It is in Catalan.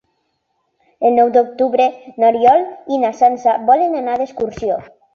El nou d'octubre n'Oriol i na Sança volen anar d'excursió.